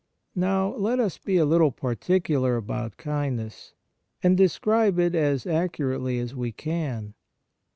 Now, let us be a little particular about kindness, and describe it as accurately as we can.